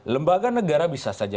lembaga negara bisa saja